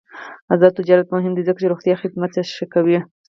آزاد تجارت مهم دی ځکه چې روغتیا خدمات ښه کوي.